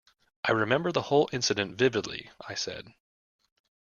"I remember the whole incident vividly," I said.